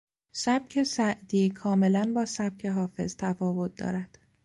سبک سعدی کاملا با سبک حافظ تفاوت دارد.